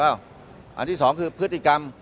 อันที่สองคือพฤติกรรม